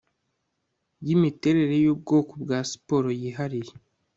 yimiterere yubwoko bwa siporo yihariye